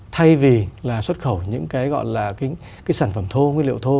thay vì là xuất khẩu những cái gọi là cái sản phẩm thô nguyên liệu thô